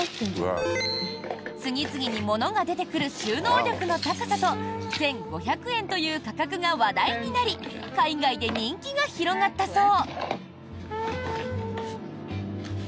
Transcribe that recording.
次々に物が出てくる収納力の高さと１５００円という価格が話題になり海外で人気が広がったそう。